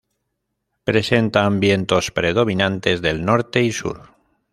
Presentan vientos predominantes del norte y sur.